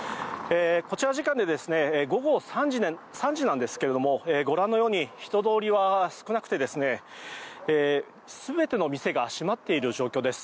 こちら時間で午後３時なんですがご覧のように、人通りは少なくて全ての店が閉まっている状況です。